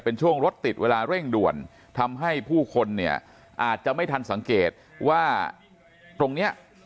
เป็นช่วงรถติดเวลาเร่งด่วนทำให้ผู้คนเนี่ยอาจจะไม่ทันสังเกตว่าตรงเนี้ย